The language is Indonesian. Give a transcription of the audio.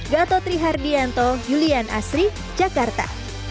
gatotri hardianto julian asri jakarta